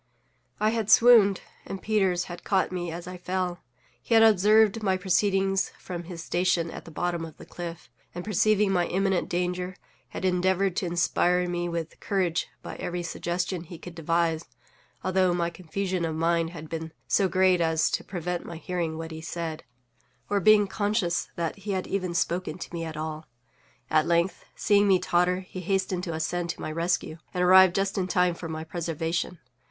I had swooned, and Peters had caught me as I fell. He had observed my proceedings from his station at the bottom of the cliff; and perceiving my imminent danger, had endeavored to inspire me with courage by every suggestion he could devise; although my confusion of mind had been so great as to prevent my hearing what he said, or being conscious that he had even spoken to me at all. At length, seeing me totter, he hastened to ascend to my rescue, and arrived just in time for my preservation.